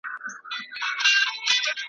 سي .